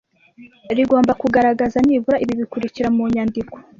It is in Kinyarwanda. rigomba kugaragaza nibura ibi bikurikira mu nyandiko